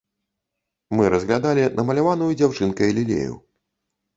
Мы разглядалі намаляваную дзяўчынкай лілею.